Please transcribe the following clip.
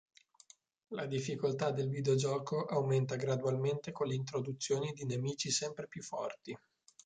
La difficoltà del videogioco aumenta gradualmente con l'introduzione di nemici sempre più forti.